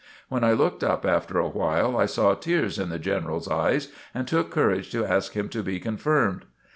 When I looked up after a while I saw tears in the General's eyes and took courage to ask him to be confirmed.